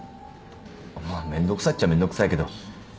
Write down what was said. まあめんどくさいっちゃめんどくさいけど。